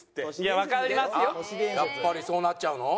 やっぱりそうなっちゃうの？